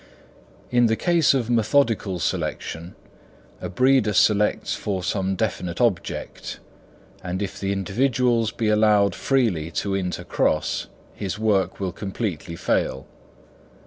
In the case of methodical selection, a breeder selects for some definite object, and if the individuals be allowed freely to intercross, his work will completely fail.